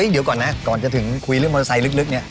เดี๋ยวก่อนนะก่อนจะถึงคุยเรื่องมอเตอร์ไซค์ลึกเนี่ย